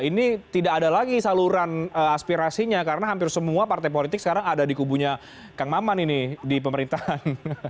ini tidak ada lagi saluran aspirasinya karena hampir semua partai politik sekarang ada di kubunya kang maman ini di pemerintahan